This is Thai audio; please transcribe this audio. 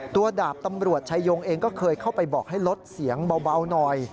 ดาบตำรวจชายงเองก็เคยเข้าไปบอกให้ลดเสียงเบาหน่อย